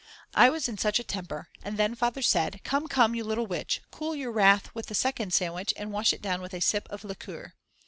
I was in such a temper, and then Father said: Come, come, you little witch, cool your wrath with the second sandwich and wash it down with a sip of liqueur.